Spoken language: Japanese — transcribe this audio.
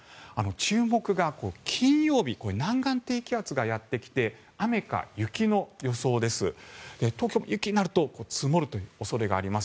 注目が、金曜日南岸低気圧がやってきて雨か雪の予想です。